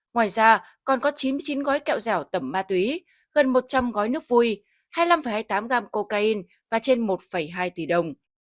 ngoài ra còn có chín mươi chín gói kẹo dẻo tẩm ma túy gần một trăm linh gói nước vui hai mươi năm hai mươi tám gram cocaine và trên một hai tỷ đồng